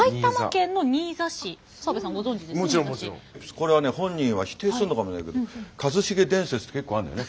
これはね本人は否定するのかもしれないけど一茂伝説って結構あるんだよね。